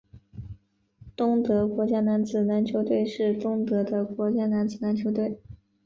东德国家男子篮球队是东德的国家男子篮球队。